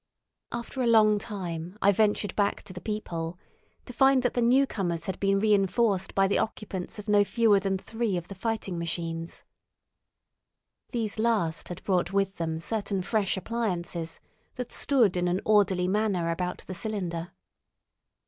After a long time I ventured back to the peephole, to find that the new comers had been reinforced by the occupants of no fewer than three of the fighting machines. These last had brought with them certain fresh appliances that stood in an orderly manner about the cylinder.